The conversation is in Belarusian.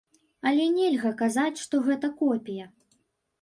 Але нельга казаць, што гэта копія.